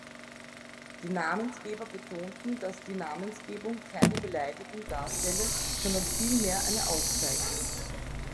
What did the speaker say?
Die Namensgeber betonten, dass die Namensgebung keine Beleidigung darstelle, sondern vielmehr eine Auszeichnung.